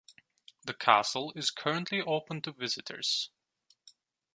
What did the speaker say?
The castle is currently open to visitors.